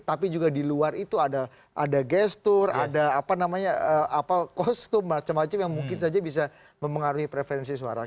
tapi juga di luar itu ada gestur ada apa namanya kostum macam macam yang mungkin saja bisa mempengaruhi preferensi suara